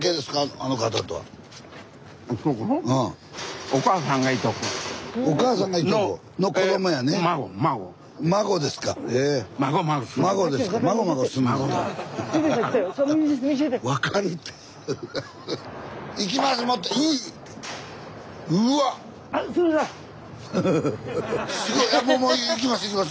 あもうもう行きます行きます！